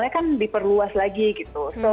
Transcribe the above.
kan diperluas lagi gitu